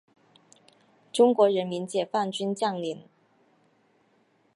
中国人民解放军将领。